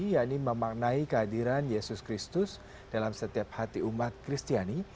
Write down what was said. yakni memaknai kehadiran yesus kristus dalam setiap hati umat kristiani